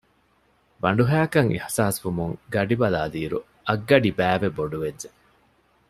ބަނޑުހައިކަން އިޙްސާސްވުމުން ގަޑިބަލާލިއިރު އަށްގަޑިބައިވެ ބޮޑުވެއްޖެ